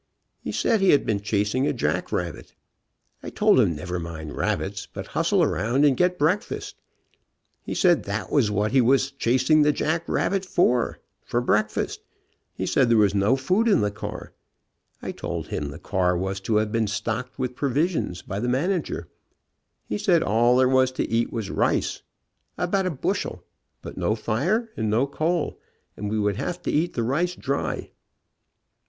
He said he had been chas ing a jack rabbit. I told him never mind rabbits, but hustle around and get break fast. He said that was ..what Re was chasing the jack rabbit for, for breakfast. He said there was no food in the car. I told him the car was to have been stocked with provisions by the manager. He said all there was to eat was rice, about a bushel, but no fire and no coal, and we would have to eat the rice dry.